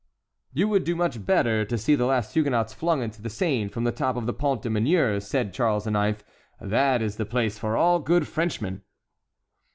"You would do much better to see the last Huguenots flung into the Seine from the top of the Pont des Meuniers," said Charles IX.; "that is the place for all good Frenchmen."